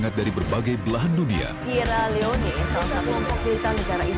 secara bertahap video lebih intens ya anstyyes